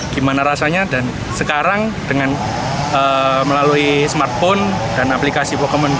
gimana rasanya dan sekarang dengan melalui smartphone dan aplikasi pokemon go ini